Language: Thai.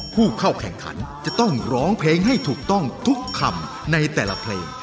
ผู้เข้าแข่งขันจะต้องร้องเพลงให้ถูกต้องทุกคำในแต่ละเพลง